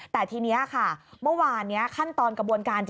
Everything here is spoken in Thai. แต่ทีนี้ค่ะเมื่อวานนี้ขั้นตอนกระบวนการ